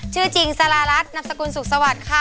ชื่อจริงสารรัสนับสกุลสุขสวรรค่ะ